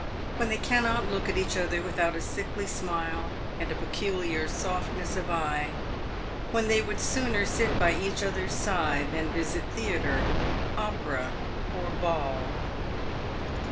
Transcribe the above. — when they cannot look at each other without a sickly smile and a peculiar softness of eye — when they would sooner sit by each other's side than visit theatre, opera, or ball